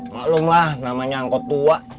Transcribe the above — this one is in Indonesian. maklum lah namanya angkot tua